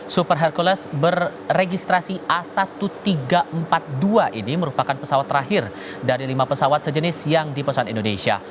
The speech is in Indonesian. super hercules berregistrasi a seribu tiga ratus empat puluh dua ini merupakan pesawat terakhir dari lima pesawat sejenis yang dipesan indonesia